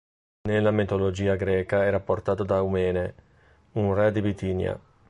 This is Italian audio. Nella mitologia greca era portato da Eumene, un re di Bitinia.